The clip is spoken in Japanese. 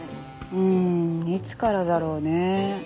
うんいつからだろうねぇ。